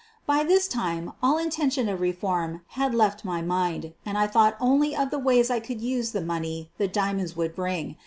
By this time all intention of reform had left my mind, and I thought only of the ways I could use the money the diamonds would bring.